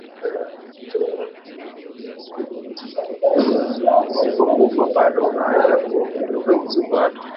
isiyokufa bado ana uwezo wa kuinuka hadi kwa Mungu ingawa uwezo